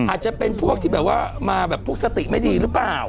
อาจจะเป็นพวกที่บอกมาเมื่อพวกสติไม่ดีรึเปล่า